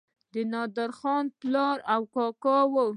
د نادرخان پلار او کاکا وو.